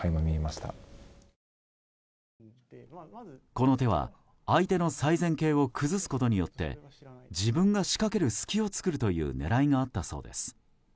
この手は相手の最善形を崩すことによって自分が仕掛ける隙を作るという狙いがあったそうです。